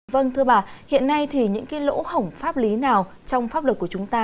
vâng thưa bà hiện nay thì những cái lỗ hổng pháp lý nào trong pháp luật của chúng ta